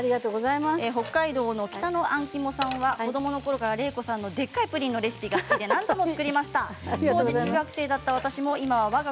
北海道の方は子どものころから麗子さんのでっかいプリンのレシピが好きで何度も作りました。